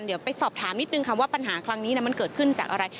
เดี๋ยวไปสอบถามนิดนึงค่ะว่าปัญหาครั้งนี้มันเกิดขึ้นจากอะไร